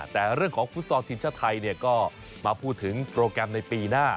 แต่เรื่องของฟุตซอลทีมชาติไทยก็มาพูดถึงโปรแกรมในปีหน้า